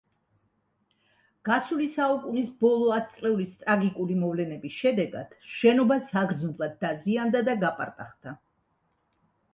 გასული საუკუნის ბოლო ათწლეულის ტრაგიკული მოვლენების შედეგად შენობა საგრძნობლად დაზიანდა და გაპარტახდა.